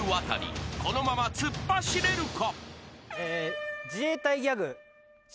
［このまま突っ走れるか？］